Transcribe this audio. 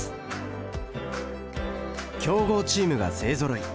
強豪チームが勢ぞろい。